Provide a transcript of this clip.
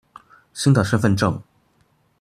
新的身份証